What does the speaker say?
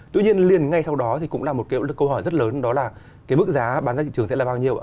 tuy nhiên liền ngay sau đó thì cũng là một cái câu hỏi rất lớn đó là cái mức giá bán ra thị trường sẽ là bao nhiêu ạ